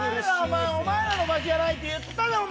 お前らの場所じゃないって言ったろ！